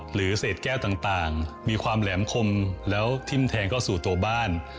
หรือเศษแก้วต่างมีความแหลมคมแล้วทิ้มแทงเข้าสู่ตัวบ้าน